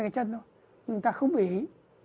cái chân thôi người ta không để ý